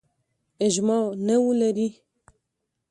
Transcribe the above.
اجماع نه ولري.